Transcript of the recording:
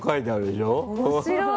面白い！